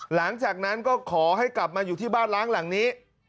หลังจากนั้นก็ขอให้กลับมาอยู่ที่บ้านล้างหลังนี้